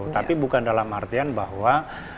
tapi bukan dalam artian bahwa